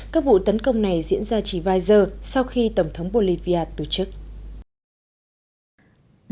các vụ tấn công này diễn ra chỉ vài giờ sau khi tổng thống bolivia tổ chức